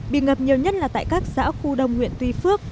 bị ngập nhiều nhất là tại các xã khu đông huyện tuy phước